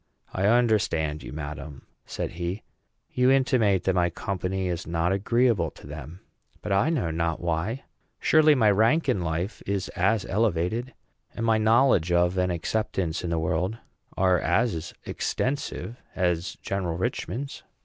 "I understand you, madam," said he. "You intimate that my company is not agreeable to them; but I know not why. Surely my rank in life is as elevated, and my knowledge of and acceptance in the world are as extensive, as General Richman's."